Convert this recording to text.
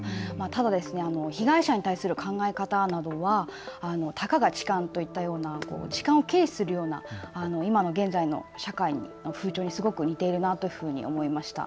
ただ被害者に対する考え方などはたかが痴漢といったような痴漢を軽視するような現在の社会の風潮にすごく似ているなと思いました。